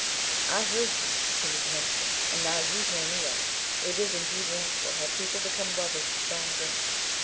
"I heard you," continued the minister, "and now you hear me out. It is indeed wonderful how people become lovers of strong drink.